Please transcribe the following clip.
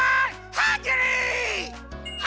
ハングリー！